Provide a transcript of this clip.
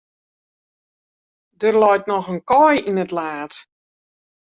Der leit noch in kaai yn it laad.